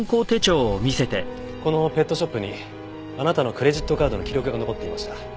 このペットショップにあなたのクレジットカードの記録が残っていました。